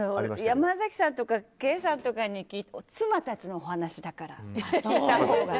山崎さんとかケイさんとかに妻たちのお話だから。